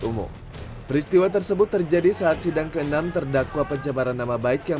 umum peristiwa tersebut terjadi saat sidang ke enam terdakwa pencemaran nama baik yang